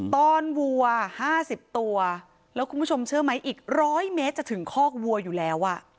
ต้อนวัว๕๐ตัวแล้วคุณผู้ชมเชื่อไหมอีก๑๐๐เมตรจะถึงคอกวัวอยู่แล้ว